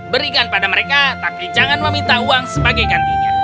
berikan pada mereka tapi jangan meminta uang sebagai gantinya